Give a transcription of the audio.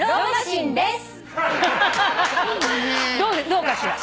どうかしら？